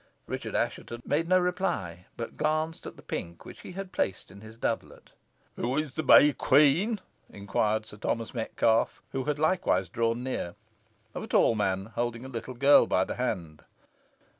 Richard Assheton made no reply, but glanced at the pink which he had placed in his doublet. "Who is the May Queen?" inquired Sir Thomas Metcalfe, who had likewise drawn near, of a tall man holding a little girl by the hand.